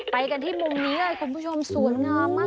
ไปกันที่มุมนี้เลยคุณผู้ชมสวยงามมาก